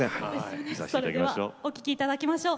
それではお聴きいただきましょう。